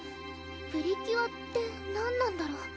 プリキュアって何なんだろう